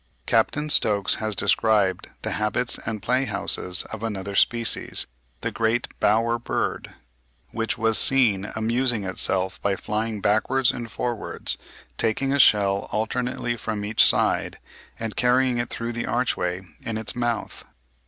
Captain Stokes has described the habits and "play houses" of another species, the Great Bower bird, which was seen "amusing itself by flying backwards and forwards, taking a shell alternately from each side, and carrying it through the archway in its mouth."